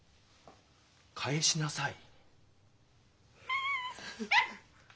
返しなさい。